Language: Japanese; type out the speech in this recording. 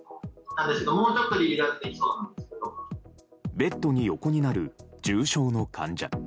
ベッドに横になる重症の患者。